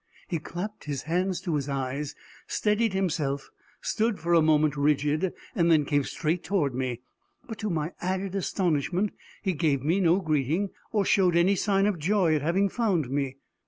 He clapped his hands to his eyes, steadied himself, stood for a moment rigid, then came straight toward me. But, to my added astonishment, he gave me no greeting, or showed any sign of joy at having found me.